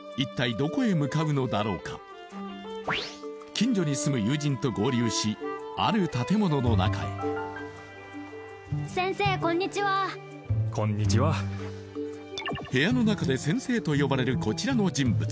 近所に住む友人と合流しある建物の中へ部屋の中で先生と呼ばれるこちらの人物